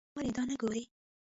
ولې دا نه ګورې.